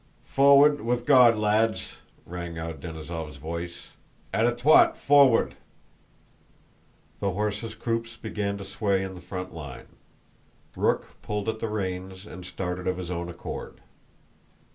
"Fo'ward, with God, lads!" rang out Denísov's voice. "At a twot fo'ward!" The horses' croups began to sway in the front line. Rook pulled at the reins and started of his own accord.